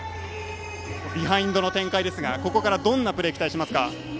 ビハインドの展開ですがここからどんなプレーを期待しますか。